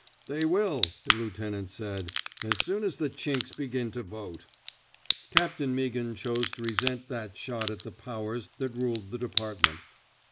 They will," the lieutenant said, as soon as the Chinks begiu to vote." Captain Meaghan chose to resent that shot at the powers that ruled the department.